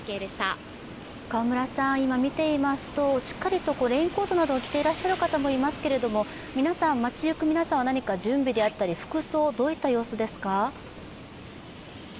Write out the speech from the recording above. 今、見ていますと、しっかりとレインコートなどを着ている方もいらっしゃいますが、町ゆく皆さんは、準備であったり、服装、どういった様子ですか？